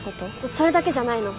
それだけじゃないの。